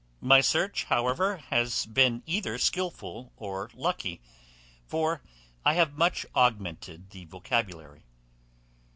My search, however, has been either skilful or lucky; for I have much augmented the vocabulary.